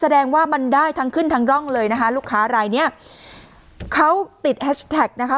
แสดงว่ามันได้ทั้งขึ้นทั้งร่องเลยนะคะลูกค้ารายเนี้ยเขาติดแฮชแท็กนะคะ